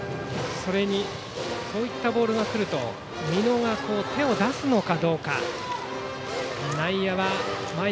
そういったボールがくると美濃が手を出すのかどうか。